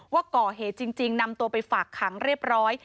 ว่าก่อเหตุจริงนำตัวไปฝากขังเรียบร้อย